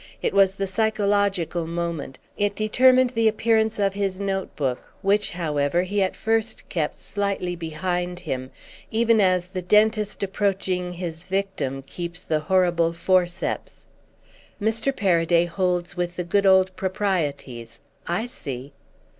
It was the psychological moment; it determined the appearance of his note book, which, however, he at first kept slightly behind him, even as the dentist approaching his victim keeps the horrible forceps. "Mr. Paraday holds with the good old proprieties—I see!"